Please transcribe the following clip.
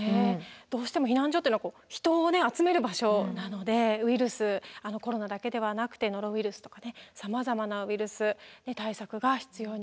どうしても避難所ってのは人をね集める場所なのでウイルスコロナだけではなくてノロウイルスとかねさまざまなウイルスに対策が必要になってきます。